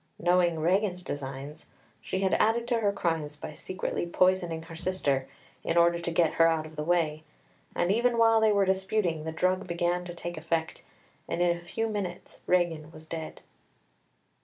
Knowing Regan's designs, she had added to her crimes by secretly poisoning her sister, in order to get her out of the way, and even while they were disputing, the drug began to take effect, and in a few minutes Regan was dead.